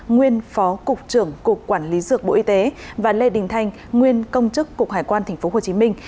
nguyên phó cục trưởng cục quản lý dược bộ y tế và lê đình thanh nguyên công chức cục hải quan tp hồ chí minh